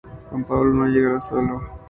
Juan Pablo no llegará solo.